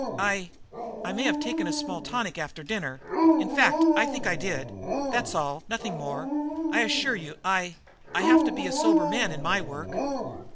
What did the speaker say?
"I I may have taken a small tonic after dinner. In fact, think I did. That's all. Nothing more, I assure you. I I have to be a sober man in my work."